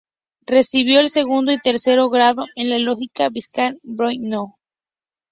Recibió el segundo y tercero grado en la logia Biscayne Bay No.